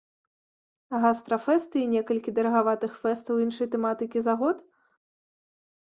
Гастрафэсты і некалькі дарагаватых фэстаў іншай тэматыкі за год?